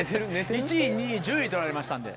１位２位１０位取られましたんで。